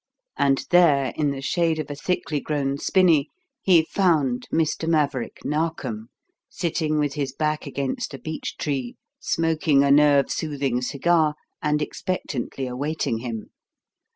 And there in the shade of a thickly grown spinney, he found Mr. Marverick Narkom sitting with his back against a beech tree smoking a nerve soothing cigar and expectantly awaiting him.